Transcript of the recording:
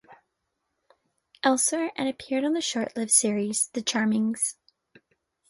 Elsewhere", and appeared on the short-lived series "The Charmings".